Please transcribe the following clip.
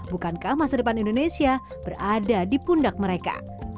bukankah masa depan indonesia berada di pundak mereka